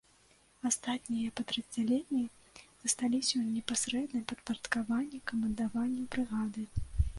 Астатнія падраздзяленні засталіся ў непасрэдным падпарадкаванні камандаванню брыгады.